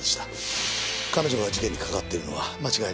彼女が事件に関わっているのは間違いありません。